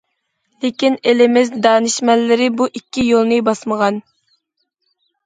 لېكىن ئېلىمىز دانىشمەنلىرى بۇ ئىككى يولنى باسمىغان.